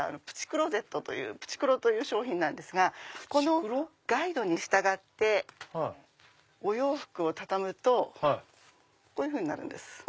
プチクローゼットというプチクロという商品なんですがこのガイドに従ってお洋服を畳むとこういうふうになるんです。